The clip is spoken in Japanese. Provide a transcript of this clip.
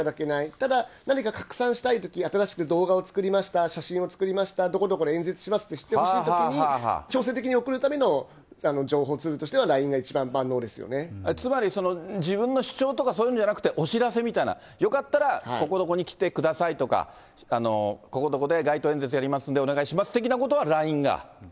ただ、何か拡散したいとき、新しく動画を作りました、写真を作りました、どこどこで演説しますって知ってほしいときに、強制的に送るための情報ツールとしては、つまり、自分の主張とかそういうのじゃなくて、お知らせみたいな、よかったら、どこどこに来てくださいとか、ここここで街頭演説しますんで、お願いします的なことはＬＩＮＥが。